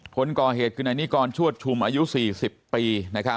คนก่อเหตุคือนายนิกรชวดชุมอายุ๔๐ปี